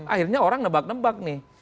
akhirnya orang nebak nebak nih